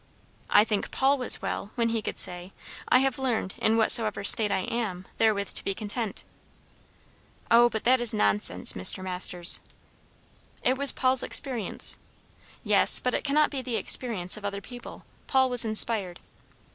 "I think Paul was 'well' when he could say, 'I have learned, in whatsoever state I am, therewith to be content.'" "O, but that is nonsense, Mr. Masters!" "It was Paul's experience." "Yes, but it cannot be the experience of other people. Paul was inspired."